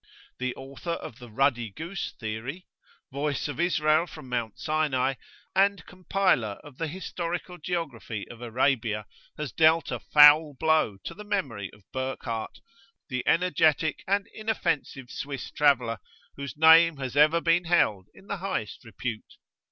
The author of the Ruddy Goose Theory ("Voice of Israel from Mount Sinai") and compiler of the "Historical Geography of Arabia" has dealt a foul blow to the memory of Burckhardt, the energetic and inoffensive Swiss traveller, whose name has ever been held in the highest repute.